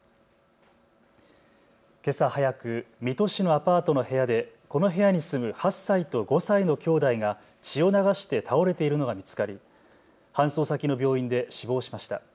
けさ早く水戸市のアパートの部屋でこの部屋に住む８歳と５歳のきょうだいが血を流して倒れているのが見つかり搬送先の病院で死亡しました。